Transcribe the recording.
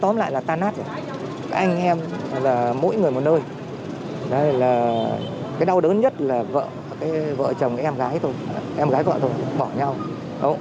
đây là cái đau đớn nhất là vợ vợ chồng em gái em gái gọi thôi bỏ nhau